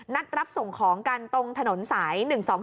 นัดรับส่งของกันตรงถนนสาย๑๒๒